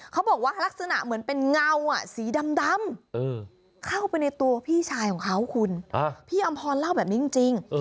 เขาบอกว่าลักษณะเหมือนเป็นเงาสีดำเข้าไปในตัวพี่ชายของเขาคุณพี่อำพรเล่าแบบนี้จริง